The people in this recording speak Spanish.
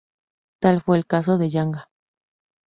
Tal fue el caso de Yanga.